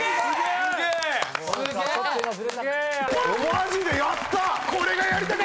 マジでやった！